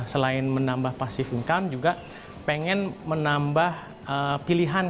selain menambah pasifimkan juga pengen menambah pilihan